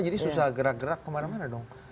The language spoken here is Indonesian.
jadi susah gerak gerak kemana mana dong